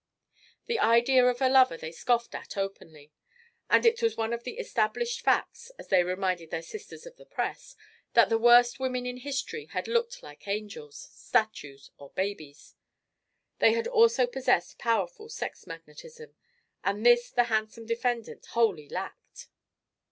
The idea of a lover they scoffed at openly. And it was one of the established facts, as they reminded their sisters of the press, that the worst women in history had looked like angels, statues or babies; they had also possessed powerful sex magnetism, and this the handsome defendant wholly lacked.